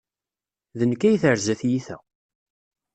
D nekk ay terza tyita.